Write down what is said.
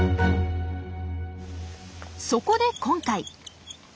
そこで今回。